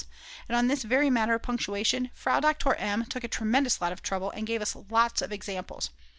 's. And on this very matter of punctuation Frau Doktor M. took a tremendous lot of trouble and gave us lots of examples.